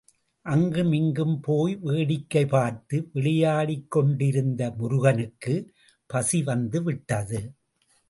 அங்குமிங்கும் போய் வேடிக்கை பார்த்து விளையாடிக்கொண்டிருந்த முருகனுக்கு, பசி வந்து விட்டது.